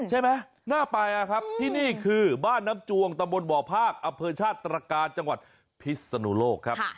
น่าไปนะครับที่นี่คือบ้านน้ำจวงตะบนบ่อภาคอำเภอชาติตรการจังหวัดพิศนุโลกครับ